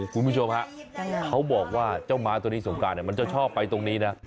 คุณผู้ชมฮะเขาบอกว่าเจ้าม้าตัวนี้สงการมันจะชอบไปตรงนี้นะ